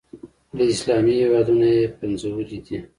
له اسلامي هېوادونو یې پنځولي دي.